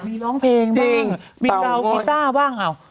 มีร้องเพลงบ้างมีดาวกีต้าบ้าง